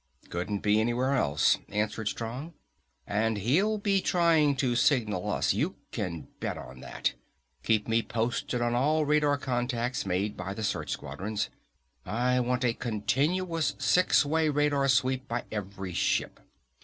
"Couldn't be anywhere else," answered Strong. "And he'll be trying to signal us, you can bet on that. Keep me posted on all radar contacts made by the search squadrons. I want a continuous six way radar sweep by every ship."